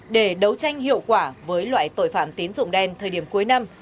để đấu tranh hiệu quả với loại tội phạm tín dụng đen thời điểm cuối năm